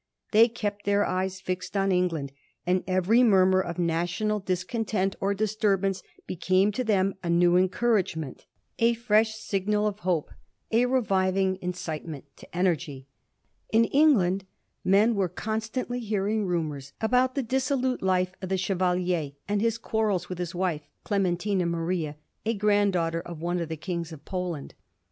They kept their eyes fixed on England, and every murmur of national discontent or disturbance became to them a new encouragement, a fresh signal of hope, a reviving incitement to energy. In Eng land men were constantly hearing rumours about the dissolute life of the Chevalier, and his quarrels with his wife Clementina Maria, a granddaughter of one of the Kings of Poland.